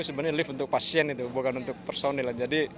sebenarnya lift untuk pasien itu bukan untuk personil